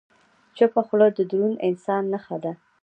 چپه خوله، د دروند انسان نښه ده.